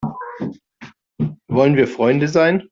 Wollen wir Freunde sein?